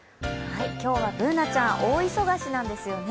今日はＢｏｏｎａちゃん、大忙しなんですよね。